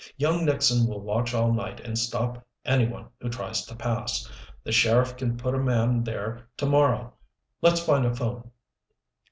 Young Nixon will watch all night and stop any one who tries to pass. The sheriff can put a man there to morrow. Let's find a phone."